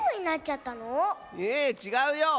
えちがうよ！